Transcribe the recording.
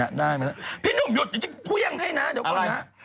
น่ะได้มาแล้วพี่นุ่มหยุดจะขุ้ยังให้นะเดี๋ยวป่านนะ